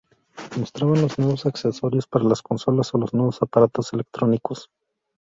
Mostraban los nuevos accesorios para las consolas o los nuevos aparatos electrónicos.